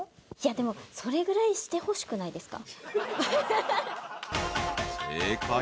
でもそれぐらいしてほしくないですか？